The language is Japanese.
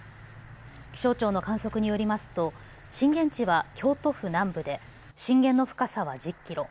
気象庁の観測によりますと震源地は京都府南部で震源の深さは１０キロ。